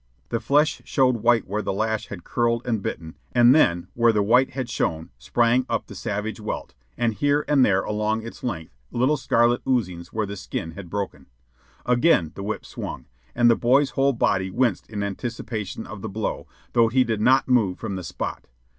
The flesh showed white where the lash had curled and bitten, and then, where the white had shown, sprang up the savage welt, with here and there along its length little scarlet oozings where the skin had broken. Again the whip swung, and the boy's whole body winced in anticipation of the blow, though he did not move from the spot.